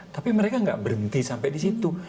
tapi mereka nggak berhenti sampai di situ